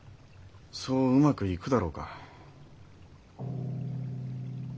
そううまくいくだろうか？